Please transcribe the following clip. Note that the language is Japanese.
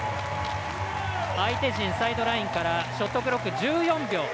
相手陣、サイドラインからショットクロック１４秒。